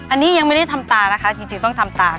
อันนี้ยังไม่ได้ทำตานะคะจริงต้องทำตา